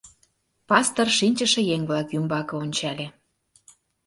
Пастор шинчыше еҥ-влак ӱмбаке ончале.